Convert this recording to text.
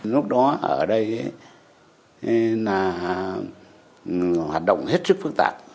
lúc đó ở đây là hoạt động hết sức phức tạp